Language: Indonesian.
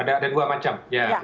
ada dua macam